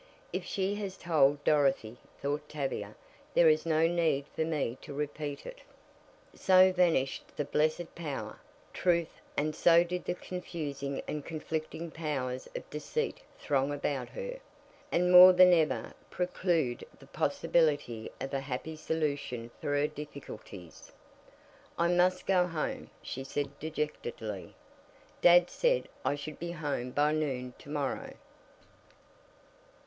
"If she has told Dorothy," thought Tavia, "there is no need for me to repeat it." So vanished the blessed power, truth, and so did the confusing and conflicting powers of deceit throng about her, and more than ever preclude the possibility of a happy solution for her difficulties. "I must go home," she said dejectedly. "Dad said I should be home by noon to morrow."